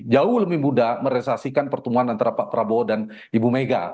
jauh lebih mudah meresasikan pertemuan antara pak prabowo dan ibu mega